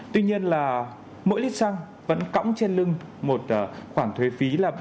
tuy nhiên là mỗi lít xăng vẫn cõng trên lưng một khoản thuế phí là ba mươi